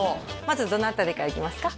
まずどの辺りからいきますか？